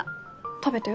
食べたよ。